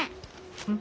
うん？